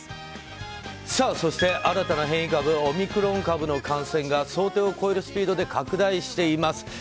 新たな変異株オミクロン株の感染が想定を超えるスピードで拡大しています。